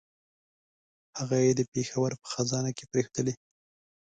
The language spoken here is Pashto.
هغه یې د پېښور په خزانه کې پرېښودلې.